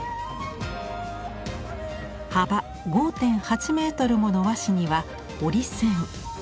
幅５．８メートルもの和紙には折り線。